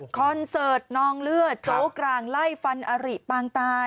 คอนเสิร์ตนองเลือดโจ๊กลางไล่ฟันอริปางตาย